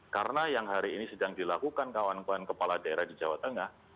karena yang hari ini sedang dilakukan kawan kawan kepala daerah di jawa tengah